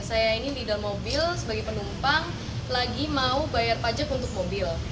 saya ini di dalam mobil sebagai penumpang lagi mau bayar pajak untuk mobil